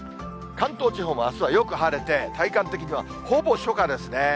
関東地方もあすはよく晴れて、体感的にはほぼ初夏ですね。